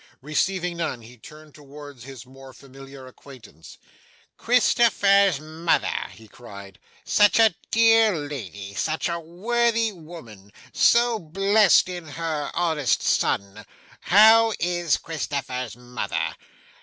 Receiving none, he turned towards his more familiar acquaintance. 'Christopher's mother!' he cried. 'Such a dear lady, such a worthy woman, so blest in her honest son! How is Christopher's mother?